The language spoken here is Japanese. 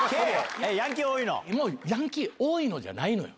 ヤンキー多いの？じゃないのよ！